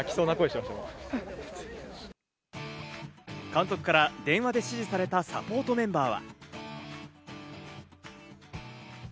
監督から電話で指示されたサポートメンバー。